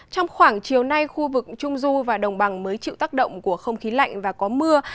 trong khoảng chiều nay khu vực trung du và đồng bằng mới chịu tác động của không khí lạnh và có mưa